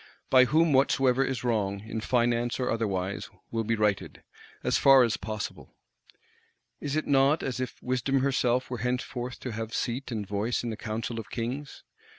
By whom whatsoever is wrong, in Finance or otherwise, will be righted,—as far as possible. Is it not as if Wisdom herself were henceforth to have seat and voice in the Council of Kings?